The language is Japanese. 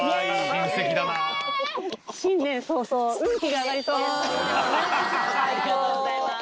ありがとうございます。